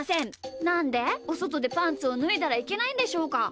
なんでおそとでパンツをぬいだらいけないんでしょうか？